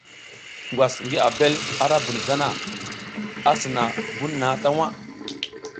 Ngwas ngi abel ara bun zana, a sina na bun na ta waʼa.